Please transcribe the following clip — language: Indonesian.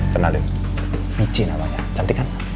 kenalin biji namanya cantik kan